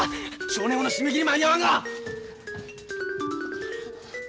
「少年王」の締め切り間に合わんが！